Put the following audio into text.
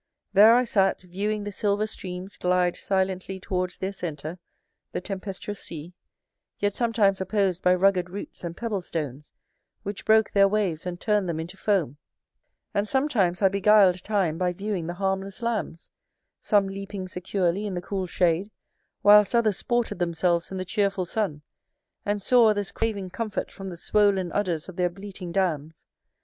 There I sat viewing the silver streams glide silently towards their centre, the tempestuous sea; yet sometimes opposed by rugged roots and pebble stones, which broke their waves, and turned them into foam; and sometimes I beguiled time by viewing the harmless lambs; some leaping securely in the cool shade, whilst others sported themselves in the cheerful sun; and saw others craving comfort from the swollen udders of their bleating dams.